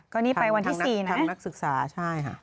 ก็นี่ไปวันที่๔นะคะนักศึกษาใช่ค่ะ